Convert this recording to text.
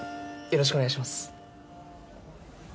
よろしくお願いします。